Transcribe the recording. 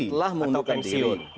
setelah mengundurkan diri